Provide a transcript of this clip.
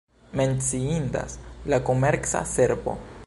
Menciindas la komerca servo.